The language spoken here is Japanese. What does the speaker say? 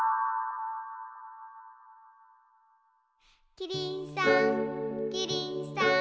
キリンさんキリンさん